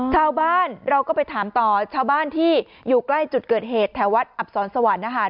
ชาวบ้านเราก็ไปถามต่อชาวบ้านที่อยู่ใกล้จุดเกิดเหตุแถววัดอับสอนสวรรค์นะคะ